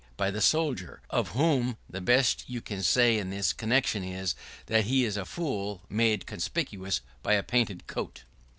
by the soldier, of whom the best you can say in this connection is that he is a fool made conspicuous by a painted coat.